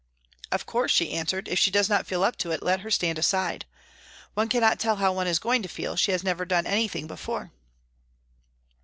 " Of course," she answered, " if she does not feel up to it, let her stand aside. One cannot tell how one is going to feel, she has never done anything before."